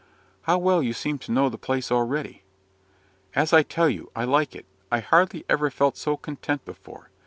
"How well you seem to know the place already." "As I tell you, I like it. I hardly ever felt so content before.